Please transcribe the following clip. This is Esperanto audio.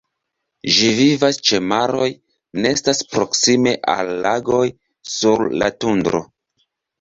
Ĝi vivas ĉe maroj, nestas proksime al lagoj, sur la tundro.